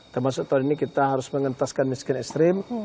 termasuk tahun ini kita harus mengentaskan miskin ekstrim